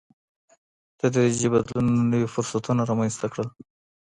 تدريجي بدلونونو نوي فرصتونه رامنځته کړل.